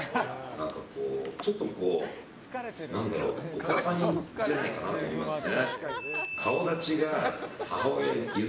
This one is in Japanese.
お母さん似じゃないかなと思いますね。